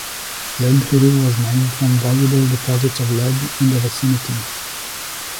Lead Hill was named from valuable deposits of lead in the vicinity.